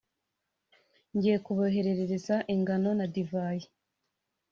ngiye kuboherereza ingano na divayi,